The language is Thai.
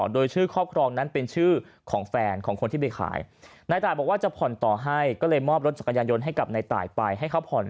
โดยชื่อครอบครองนั้นเป็นชื่อของแฟนของคนที่ไปขายนายตายบอกว่าจะผ่อนต่อให้ก็เลยมอบรถจักรยานยนต์ให้กับนายตายไปให้เขาผ่อน